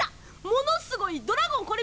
ものすごいドラゴン！